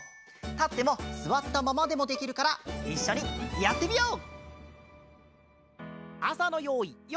たってもすわったままでもできるからいっしょにやってみよう！